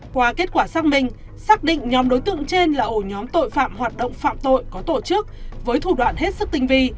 qua kết quả xác minh xác định nhóm đối tượng trên là ổ nhóm tội phạm hoạt động phạm tội có tổ chức với thủ đoạn hết sức tinh vi